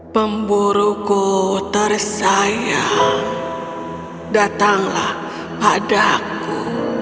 pemburuku tersayang datanglah padaku